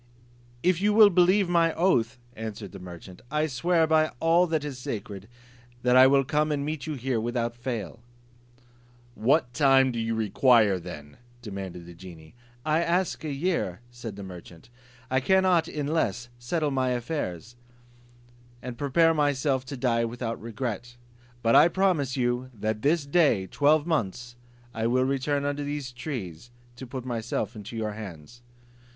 "If you will believe my oath," answered the merchant, "I swear by all that is sacred, that I will come and meet you here without fail." "What time do you require then?" demanded the genie. "I ask a year," said the merchant; "I cannot in less settle my affairs, and prepare myself to die without regret. But I promise you, that this day twelve months I will return under these trees, to put myself into your hands."